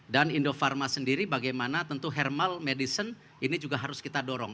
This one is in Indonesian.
dan indofarma sendiri bagaimana tentu hermal medicine ini juga harus kita dorong